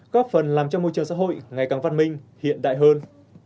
góp phần làm cho môi trường xã hội ngày càng văn minh hiện đại hơn